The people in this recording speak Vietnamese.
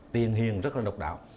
tiền hiền rất là độc đạo